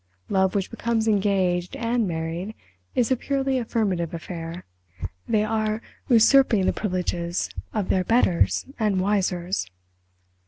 Love which becomes engaged and married is a purely affirmative affair—they are usurping the privileges of their betters and wisers!"